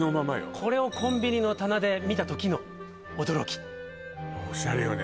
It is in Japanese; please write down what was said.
これをコンビニの棚で見た時の驚きオシャレよね